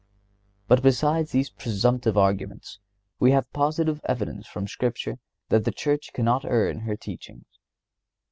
But besides these presumptive arguments, we have positive evidence from Scripture that the Church cannot err in her teachings.